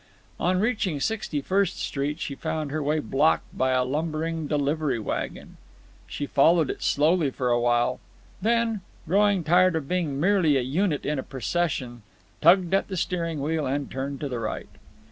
On reaching Sixty First Street she found her way blocked by a lumbering delivery wagon. She followed it slowly for a while; then, growing tired of being merely a unit in a procession, tugged at the steering wheel, and turned to the right.